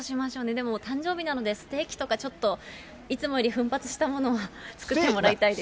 でも誕生日なので、ステーキとか、ちょっといつもより奮発したものを作ってもらいたいです。